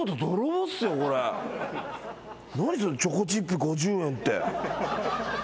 チョコチップ５０円って。